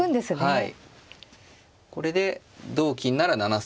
はい。